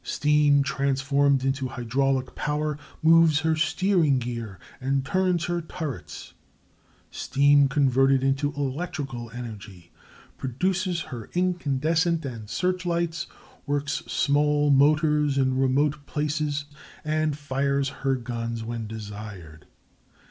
Steam transformed into hydraulic power moves her steering gear and turns her turrets. Steam converted into electrical energy produces her incandescent and search lights, works small motors in remote places, and fires her guns when desired.